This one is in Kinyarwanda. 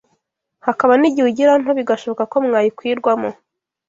hakaba n’igihe ugira nto bigashoboka ko mwayikwirwamo